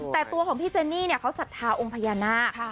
แต่ตัวของพี่เจนนี่เนี่ยเขาสัดทาวงพญานาค